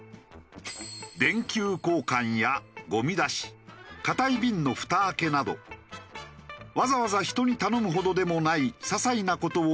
電球交換やゴミ出し固い瓶のフタ開けなどわざわざ人に頼むほどでもないささいな事を引き受ける。